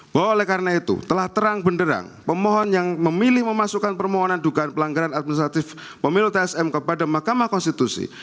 bahwa oleh karena itu telah terang benderang pemohon yang memilih memasukkan permohonan dugaan pelanggaran administratif pemilu tsm kepada mahkamah konstitusi